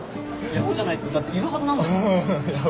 いやそうじゃないとだっているはずなのよ。